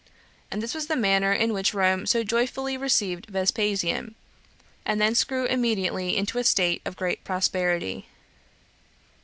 And this was the manner in which Rome so joyfully received Vespasian, and thence grew immediately into a state of great prosperity.